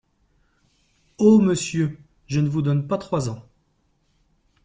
Oh ! monsieur, je ne vous donne pas trois ans…